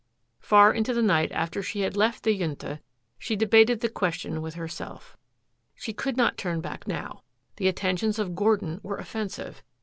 Far into the night after she had left the Junta she debated the question with herself. She could not turn back now. The attentions of Gordon were offensive.